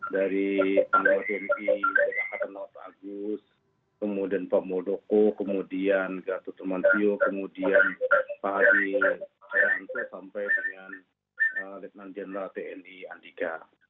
dari pak md tni pak ketanawut agus kemudian pak modoko kemudian gatoturman tio kemudian pak hadi tjantso sampai dengan lietman jenderal tni andika